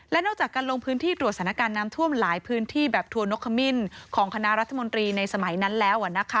และนอกจากการลงพื้นที่ตรวจสถานการณ์น้ำท่วมหลายพื้นที่แบบทัวร์นกขมิ้นของคณะรัฐมนตรีในสมัยนั้นแล้ว